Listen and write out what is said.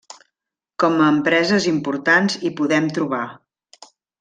Com a empreses importants hi podem trobar.